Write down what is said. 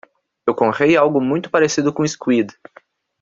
Eu comprei algo muito parecido com o squid.